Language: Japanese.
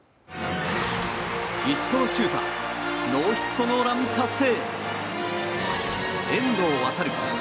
石川柊太ノーヒットノーラン達成！